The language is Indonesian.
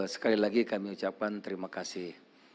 sekali lagi kami ucapkan terima kasih